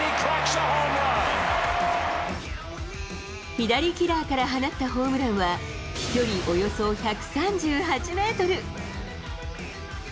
左キラーから放ったホームランは、飛距離およそ１３８メートル。